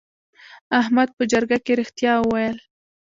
احمد په جرګه کې رښتیا وویل.